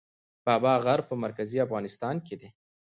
بابا غر په مرکزي افغانستان کې دی